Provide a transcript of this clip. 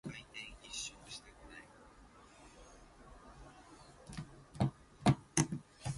The song of the male consists of melodic musical phrases.